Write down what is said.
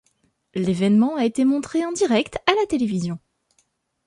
L'événement a été montré en direct à la télévision.